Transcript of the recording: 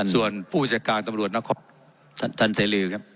ส่วนผู้จัดการตำรวจนะครับท่านท่านเศรีครับ